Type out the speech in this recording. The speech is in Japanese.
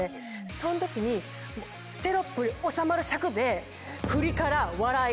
そんときにテロップに収まる尺で。